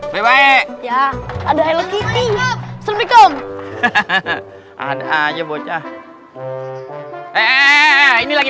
hai hai hai hai hai hai hai hai hai ya ada helikopter komp ada aja bocah eh ini lagi